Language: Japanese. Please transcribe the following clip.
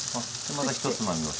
また１つまみをして。